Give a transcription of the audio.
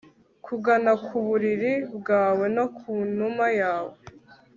Kugana ku buriri bwawe no ku numa yawe